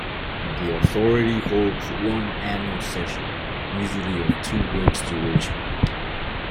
The Authority holds one annual session, usually of two weeks' duration.